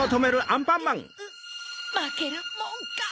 まけるもんか！